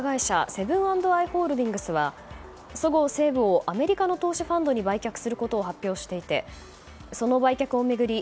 セブン＆アイ・ホールディングスはそごう・西武をアメリカの投資ファンドに売却することを発表していてその売却を巡り